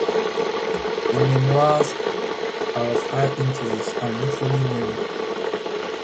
The "Memoirs" are of high interest and literary merit.